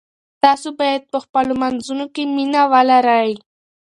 تاسو باید په خپلو منځونو کې مینه ولرئ.